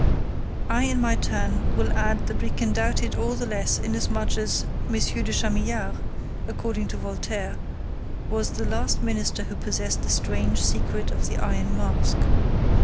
I, in my turn, will add that we can doubt it all the less inasmuch as M. de Chamillard, according to Voltaire, was the last minister who possessed the strange secret of the Iron Mask.